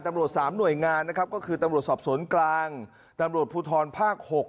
ตำรวจ๓หน่วยงานนะครับก็คือตำรวจสอบสวนกลางตำรวจภูทรภาค๖